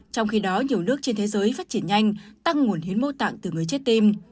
trong khi đó nhiều nước trên thế giới phát triển nhanh tăng nguồn hiến mô tạng từ người chết tim